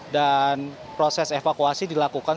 dan proses evakuasi dilakukan